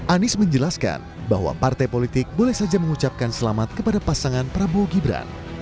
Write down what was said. anies menjelaskan bahwa partai politik boleh saja mengucapkan selamat kepada pasangan prabowo gibran